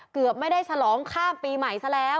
เกือบไม่ได้ฉลองข้ามปีใหม่ซะแล้ว